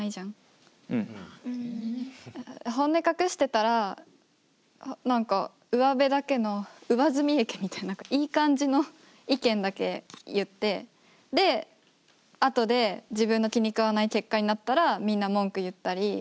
本音隠してたら何かうわべだけの上澄み液みたいないい感じの意見だけ言ってで後で自分の気に食わない結果になったらみんな文句言ったり。